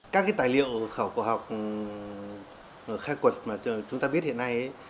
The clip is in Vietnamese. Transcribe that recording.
các cái tài liệu khảo cổ học khai quật mà chúng ta biết hiện nay